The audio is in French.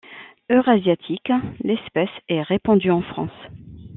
Eurasiatique, l'espèce est répandue en France.